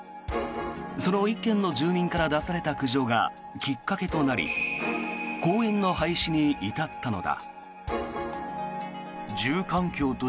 その１軒の住民から出された苦情がきっかけとなり公園の廃止に至ったのだ。